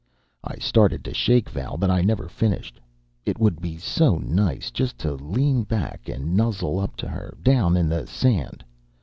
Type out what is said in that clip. I started to shake Val. But I never finished. It would be so nice just to lean back and nuzzle up to her, down in the sand.